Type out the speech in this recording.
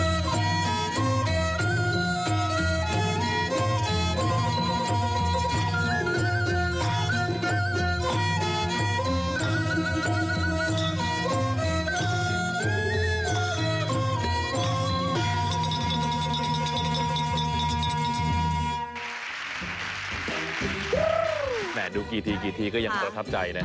แหมดูกี่ทีกี่ทีก็ยังสะทับใจนะ